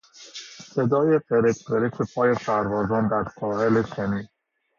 صدای قرچ قرچ پای سربازان در ساحل شنی